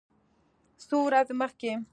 څو ورځې مخکې